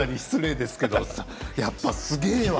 やっぱりすげえ。